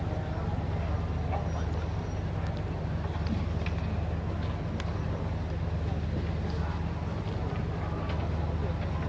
เข้าทางโปรดประธาน